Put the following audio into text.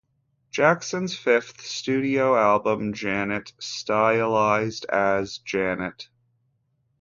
Jackson's fifth studio album "Janet", stylized as "janet.